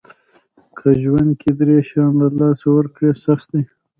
که ژوند کې درې شیان له لاسه ورکړل سخت دي.